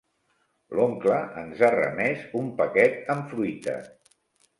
L'oncle ens ha remès un paquet amb fruita.